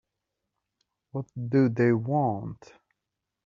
What do they want?